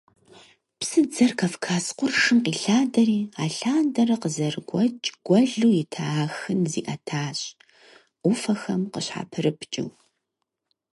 Псыдзэр Кавказ къуршым къилъадэри, алъандэрэ къызэрыгуэкӀ гуэлу ита Ахын зиӀэтащ, Ӏуфэхэм къыщхьэпрыпкӀыу.